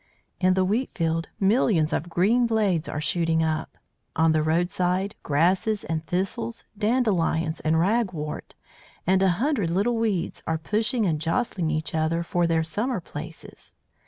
"In the wheat field millions of green blades are shooting up; on the roadside grasses and thistles, dandelions and ragwort, and a hundred little weeds, are pushing and jostling each other for their summer places.